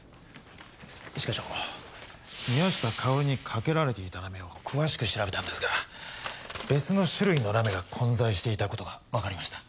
一課長宮下薫にかけられていたラメを詳しく調べたんですが別の種類のラメが混在していた事がわかりました。